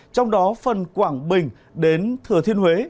trong đó phần quảng bình đến thừa thiên huế